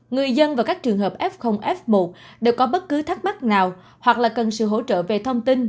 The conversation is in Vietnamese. người dân và các trường hợp f f một đều có bất cứ thắc mắc nào hoặc là cần sự hỗ trợ về thông tin